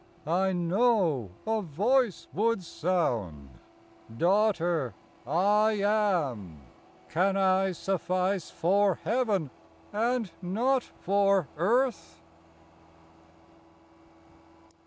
I know a Voice would sound, " Daughter, I AM. Can I suffice for Heaven, and not for earth